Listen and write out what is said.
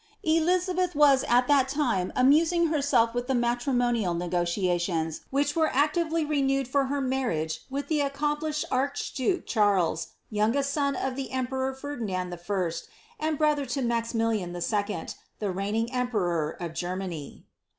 Elizabeth was at this time amusing herself with the matrimonial ne fotiations which were actively renewed for her marriage with the ac eomplished archduke Charles, youngest son of the emperor Ferdinand U and brother to Maximilian II., the reigning emperor of Germany.